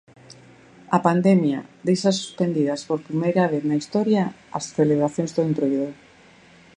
A pandemia deixa suspendidas por primeira vez na historia as celebracións do Entroido.